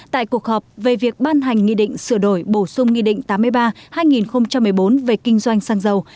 tại cuộc họp về việc ban hành nghị định sửa đổi bổ sung nghị định tám mươi ba hai nghìn một mươi bốn về kinh doanh xăng dầu